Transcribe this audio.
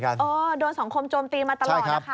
ด้วยสตรงคมโจมตีมาตลอดนะคะ